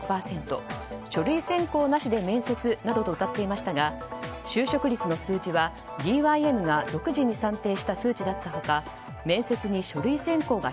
書類選考なしで面接などとうたっていましたが就職率の数字はＤＹＭが独自に算定した数値だった他面接に書類選考が